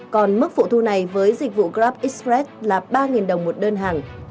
còn mức phụ thu này với dịch vụ grabexpress là ba đồng một đơn hàng